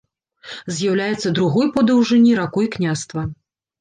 З'яўляецца другой па даўжыні ракой княства.